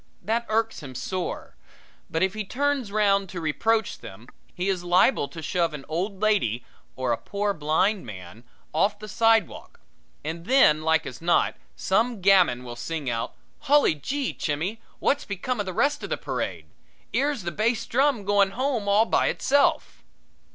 That irks him sore; but if he turns round to reproach them he is liable to shove an old lady or a poor blind man off the sidewalk, and then, like as not, some gamin will sing out: "Hully gee, Chimmy, wot's become of the rest of the parade? 'Ere's the bass drum goin' home all by itself."